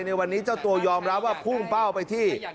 ในวันนี้เจ้าตัวยอมรับว่าพุ่งเป้าไปที่